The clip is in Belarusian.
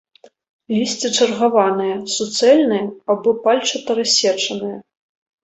Лісце чаргаванае, суцэльнае або пальчата-рассечанае.